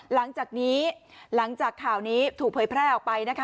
หลังจากนี้หลังจากข่าวนี้ถูกเผยแพร่ออกไปนะคะ